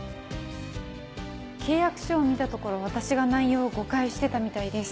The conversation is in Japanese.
「契約書を見たところ私が内容を誤解してたみたいです。